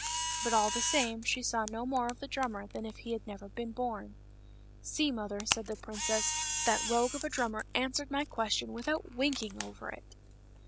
But all the same, she saw no more of the drummer than if he had never been born. " See, mother," said the princess, " that rogue of a drummer answered my question without winking over it."